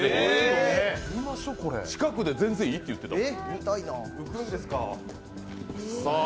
近くで全然いいって言ってたもん。